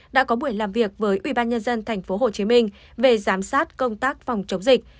đã có buổi làm việc với ubnd tp hcm về giám sát công tác phòng chống dịch